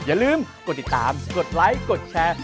อย่าลืมกดติดตามกดไลค์กดแชร์